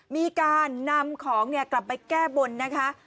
มีการนำของกลับไปแก้บนนะคะ